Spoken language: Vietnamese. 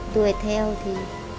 tuổi theo thì